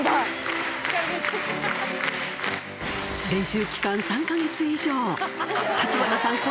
練習期間３か月以上、橘さん